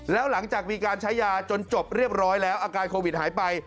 แล้วหลังจากมีการใช้ยาจนจบเรียบร้อยแล้วอาการโควิดหายไป